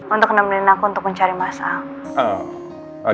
untuk nemenin aku untuk mencari masalah